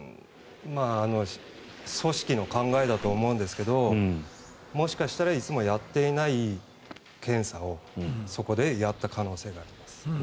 組織の考えだと思うんですがもしかしたらいつもやっていない検査をそこでやった可能性があります。